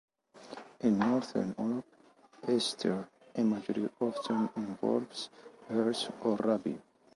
In Northern Europe, Easter imagery often involves hares or rabbits.